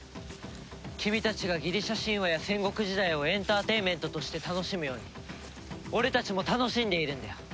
君たちがギリシャ神話や戦国時代をエンターテインメントとして楽しむように俺たちも楽しんでいるんだよ。